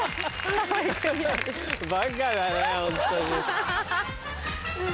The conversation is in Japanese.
バカだねホントに。